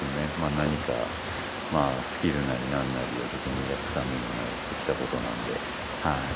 何かスキルなりなんなりを自分でやってたものでやってきたことなんではい。